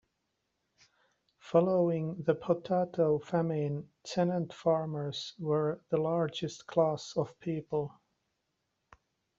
Following the Potato Famine tenant farmers were the largest class of people.